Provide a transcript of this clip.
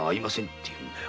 て言うんだよ。